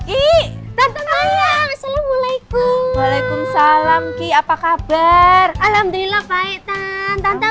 iiih tante mayang assalamualaikum waalaikumsalam ki apa kabar alhamdulillah baik tan tan tan tan